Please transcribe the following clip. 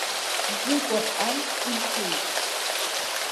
Ӡыкәыр амц имҳәеит.